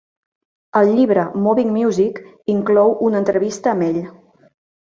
El llibre Moving Music inclou una entrevista amb ell.